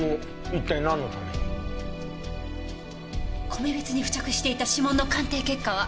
米びつに付着していた指紋の鑑定結果は？